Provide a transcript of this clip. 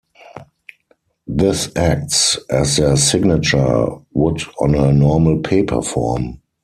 This acts as their signature would on a normal paper form.